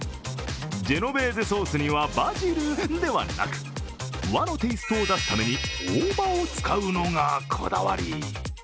ジェノベーゼソースには、バジルではなく、和のテイストを出すために大葉を使うのがこだわり。